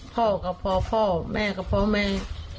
พ่อก็พ่อแม่ก็พ่อแม่